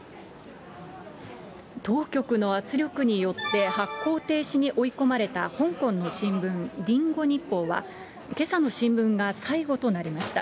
当局の圧力によって、発行停止に追い込まれた香港の新聞、リンゴ日報はけさの新聞が最後となりました。